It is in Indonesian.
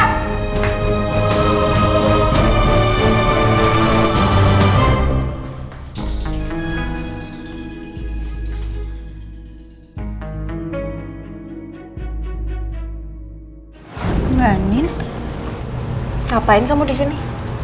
ngapain kamu disini